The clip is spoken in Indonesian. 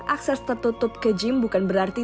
akses tertutup ke gym bukan berarti